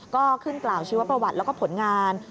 ก็ขึ้นกล่าวชีวประวัติแล้วก็ผลงาน